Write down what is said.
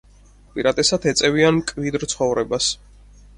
უპირატესად ეწევიან მკვიდრ ცხოვრებას.